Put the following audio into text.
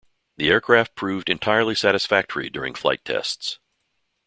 The aircraft proved entirely satisfactory during flight tests.